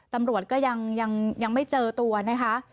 ตำรวจก็ยังไม่เจอตัวนะคะ